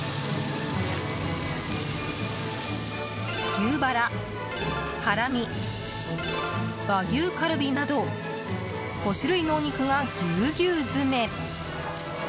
牛バラ、ハラミ和牛カルビなど５種類のお肉がぎゅうぎゅう詰め。